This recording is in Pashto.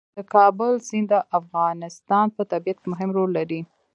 د کابل سیند د افغانستان په طبیعت کې مهم رول لري.